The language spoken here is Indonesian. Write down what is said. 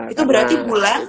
itu berarti bulan